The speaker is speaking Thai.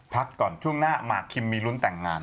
พักก่อนช่วงหน้าหมากคิมมีลุ้นแต่งงาน